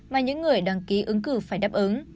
mà những người đăng ký ứng cử phải đáp ứng